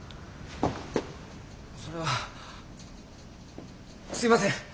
それはすいません。